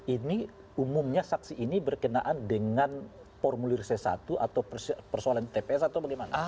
ini umumnya saksi ini berkenaan dengan formulir c satu atau persoalan tps atau bagaimana